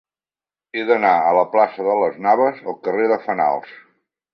He d'anar de la plaça de Las Navas al carrer de Fenals.